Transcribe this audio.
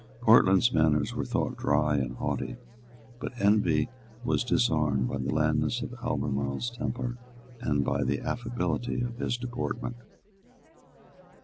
Portland's manners were thought dry and haughty; but envy was disarmed by the blandness of Albemarle's temper and by the affability of his deportment.